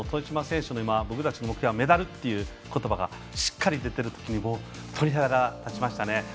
僕たちの目標はメダルということばがしっかり出ているということばに鳥肌が立ちましたね。